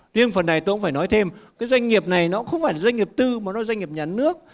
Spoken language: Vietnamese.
điều này tôi cũng phải nói thêm doanh nghiệp này không phải doanh nghiệp tư mà doanh nghiệp nhà nước